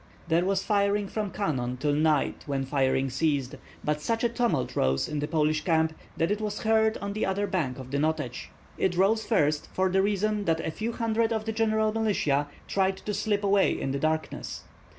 There was firing from cannon till night, when firing ceased; but such a tumult rose in the Polish camp that it was heard on the other bank of the Notets. It rose first for the reason that a few hundred of the general militia tried to slip away in the darkness.